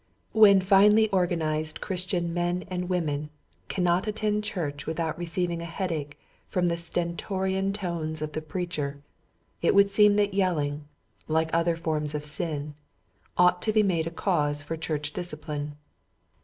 When finely organized Christian men and women cannot attend church with out receiving a headache from the sten torian tones of the preacher it would seem that yelling, like other forms of sin, ought to be made a cause for church discipline.